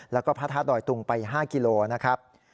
แล้วก็พัทธาดอยตุงไป๕กิโลกรัมนะครับ